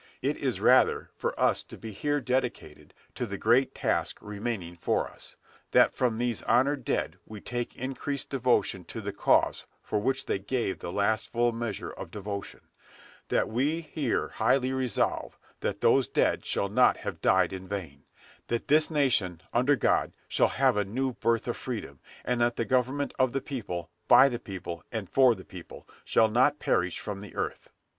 It is, rather, for us to be here dedicated to the great task remaining for us, that from these honored dead we take increased devotion to the cause for which they gave the last full measure of devotion; that we here highly resolve that these dead shall not have died in vain; that this nation, under God, shall have a new birth of freedom, and that the government of the people, by the people, and for the people, shall not perish from the earth."